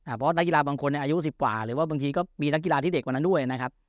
เพราะนักกีฬาบางคนอายุ๑๐กว่าหรือว่าบางทีก็มีนักกีฬาที่เด็กกว่านั้นด้วยนะครับ